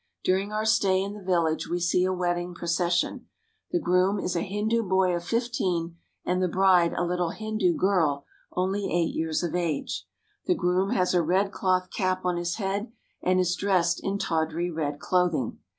During our stay in the village we see a wedding proces sion. The groom is a Hindu boy of fifteen, and the bride a little Hindu girl only eight years of age. The groom has a red cloth cap on his head, and is dressed in tawdry red clothing.